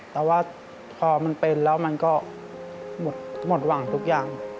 แต่ว่าพอมันเป็นแล้วมันก็หมดหวังทุกอย่าง